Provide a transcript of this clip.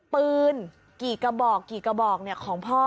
ปืนกี่กระบอกของพ่อ